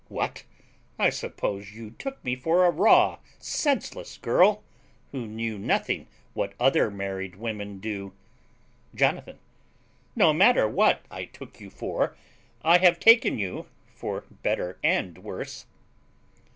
What, I suppose you took me for a raw senseless girl, who knew nothing what other married women do! Jonathan. No matter what I took you for: I have taken you for better and worse.